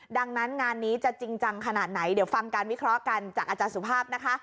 ดังนั้นงานนี้จะจริงจังขนาดไหนเดี๋ยวฟังการวิเคราะห์กันจากอาจารย์สุภาพนะคะ